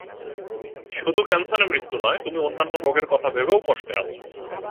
শুধু ক্যানসারে মৃত্যু নয়, তুমি অন্যান্য রোগের কথা ভেবেও কষ্টে আছ।